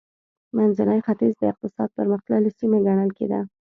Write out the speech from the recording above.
منځنی ختیځ د اقتصاد پرمختللې سیمه ګڼل کېده.